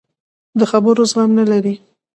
د خبرو زغم نه لري.